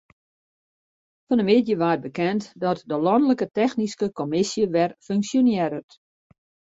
Fan 'e middei waard bekend dat de lanlike technyske kommisje wer funksjonearret.